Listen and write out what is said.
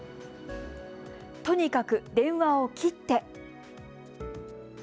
とにかく電話を切って。